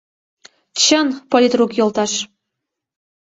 — Чын, политрук йолташ!